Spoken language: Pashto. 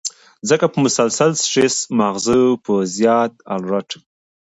ځکه چې مسلسل سټرېس مازغۀ پۀ زيات الرټ